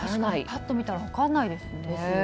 パッと見たら分からないですね。